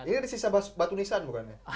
ini kan sisa batu nisan bukan ya